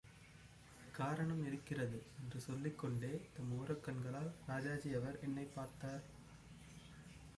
காரணம் இருக்கிறது என்று சொல்லிக் கொண்டே, தம் ஒரக்கண்களால் ராஜாஜி அவர் என்னைப் பார்த்தார்.